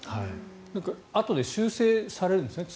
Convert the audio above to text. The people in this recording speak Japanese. あとで修正されるんですね